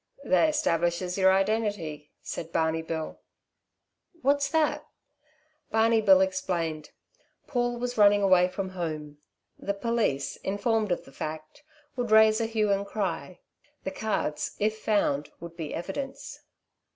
"They establishes yer identity," said Barney Bill. "What's that?" Barney Bill explained. Paul was running away from home. The police, informed of the fact, would raise a hue and cry. The cards, if found, would be evidence.